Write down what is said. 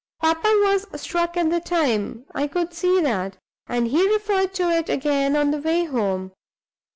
Papa was struck at the time I could see that and he referred to it again on the way home.